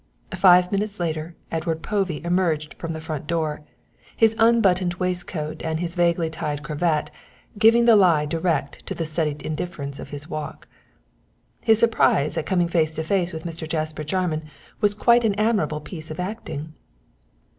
Five minutes later Edward Povey emerged from the front door, his unbuttoned waistcoat and his vaguely tied cravat giving the lie direct to the studied indifference of his walk. His surprise at coming face to face with Mr. Jasper Jarman was quite an admirable piece of acting.